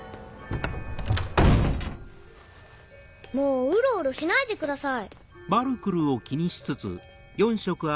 もうウロウロしないでください。